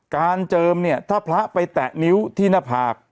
เจิมเนี่ยถ้าพระไปแตะนิ้วที่หน้าผาก